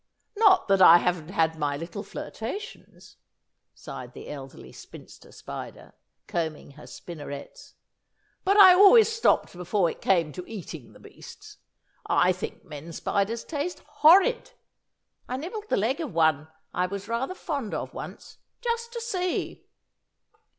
"Not that I haven't had my little flirtations!" sighed the Elderly Spinster Spider, combing her spinnerettes, "but I always stopped before it came to eating the beasts. I think men spiders taste horrid! I nibbled the leg of one I was rather fond of once, just to see!"